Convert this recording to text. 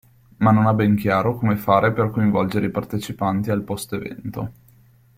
Ma non ha ben chiaro come fare per coinvolgere i partecipanti al post evento.